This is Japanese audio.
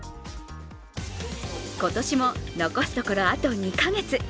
今年も残すところあと２カ月。